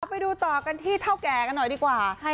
ไปดูต่อกันที่เท่าแก่กันหน่อยดีกว่า